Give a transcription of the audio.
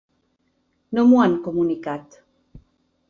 No m’ho han comunicat.